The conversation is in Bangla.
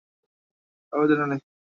এটা আমাদের অভিধানে নেই।